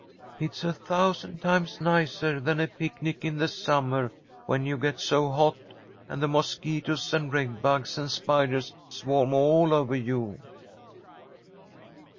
"It's a thousand times nicer than a picnic in the summer, when you get so hot, and the mosquitoes and redbugs and spiders swarm all over you."